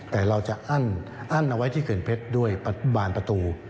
แต่เราจะอั้นเอาไว้ที่เขื่อนเพชรด้วยบานประตู